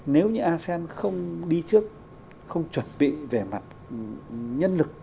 nếu như asean không đi trước không chuẩn bị về mặt nhân lực